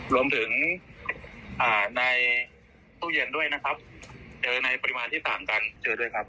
รวมถึงในตู้เย็นด้วยนะครับเจอในปริมาณที่ต่างกันเจอด้วยครับ